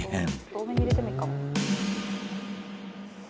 多めに入れてもいいかも。